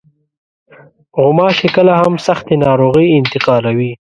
غوماشې کله هم سختې ناروغۍ انتقالوي.